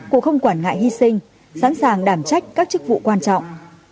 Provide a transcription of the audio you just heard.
cô không quản ngại hy sinh sẵn sàng đảm trách các chức vụ quan trọng